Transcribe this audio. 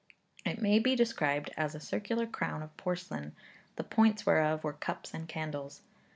It may be described as a circular crown of porcelain, the points whereof were cups and candles.